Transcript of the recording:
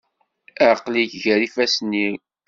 Aql-ik gar yifassen-iw.